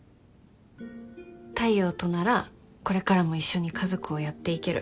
太陽とならこれからも一緒に家族をやっていける。